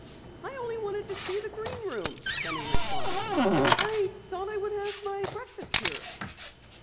"I only wanted to see the Green Room," Penny replied. "I thought I would have my breakfast here."